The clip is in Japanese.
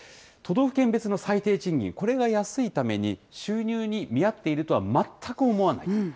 都道府県別の最低賃金、これが安いために、収入に見合っているとは全く思わない。